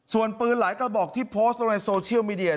ส่วนปืนหลายกระบอกที่โพสต์ลงในโซเชียลมีเดีย